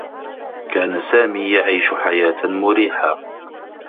كان سامي يعيش حياة مريحة.